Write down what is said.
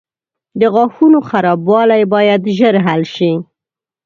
• د غاښونو خرابوالی باید ژر حل شي.